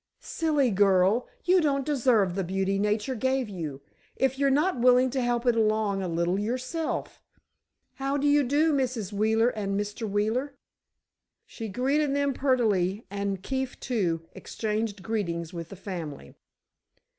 "Silly girl! You don't deserve the beauty nature gave you, if you're not willing to help it along a little yourself! How do you do, Mrs. Wheeler and Mr. Wheeler?" She greeted them prettily, and Keefe, too, exchanged greetings with the family.